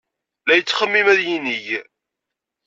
La yettxemmim ad yinig.